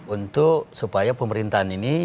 untuk supaya pemerintahan ini